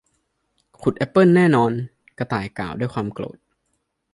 ขุดแอปเปิลแน่นอน กระต่ายกล่าวด้วยความโกรธ